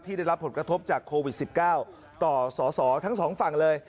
ได้รับผลกระทบจากโควิด๑๙ต่อสอสอทั้งสองฝั่งเลย